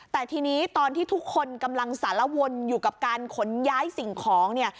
แต่ทีนี้ตอนที่ทุกคนกำลังสารวนอยู่กับการขนย้ายสิ่งของเนี่ย